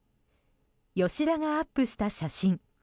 吉田がアップした写真。